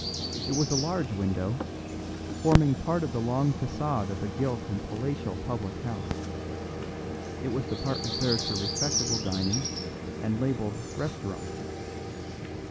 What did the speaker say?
It was a large window, forming part of the long façade of a gilt and palatial public house; it was the part reserved for respectable dining, and labelled "Restaurant."